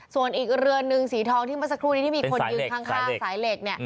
ส่วนอีกเรือนนึงสีทองสะครูนี่นี่คือที่มีคนยืงข้างสายเล็ก